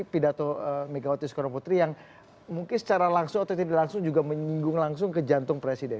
pidato mikaotis kronoputri yang mungkin secara langsung ototidik langsung juga menyinggung langsung ke jantung presiden